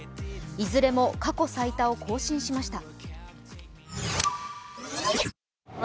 いずれも過去最多を更新しました。